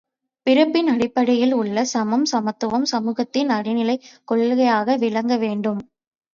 பிறப்பின் அடிப்படையில் உள்ள சமம், சமத்துவம் சமூகத்தின் அடிநிலைக் கொள்கையாக விளங்க வேண்டும்.